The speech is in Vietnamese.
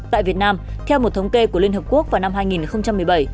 tại việt nam theo một thống kê của liên hợp quốc vào năm hai nghìn một mươi bảy